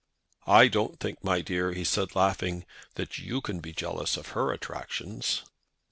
"I don't think, my dear," he said, laughing, "that you can be jealous of her attractions."